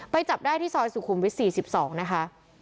จับได้ที่ซอยสุขุมวิท๔๒นะคะ